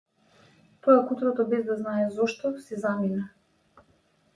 Тоа кутрото, без да знае зошто, си замина.